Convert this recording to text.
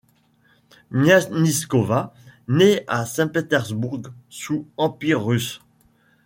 Miasnikova naît à Saint-Pétersbourg sous Empire russe.